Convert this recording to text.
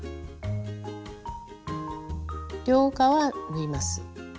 両側縫います。